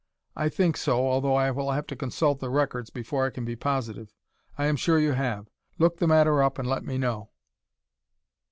"I think so, although I will have to consult the records before I can be positive." "I am sure that you have. Look the matter up and let me know."